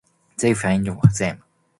They find them.